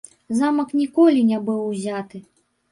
Замак ніколі не быў узяты.